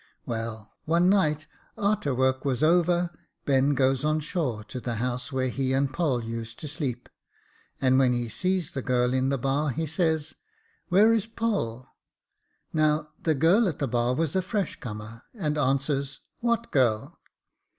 Well, one night, a'ter work was over, Ben goes on shore to the house where he and Poll used to sleep j and when he sees the girl in the bar, he says, * Where is Poll ?' Now, the girl at the bar was a fresh comer, and answers, * What girl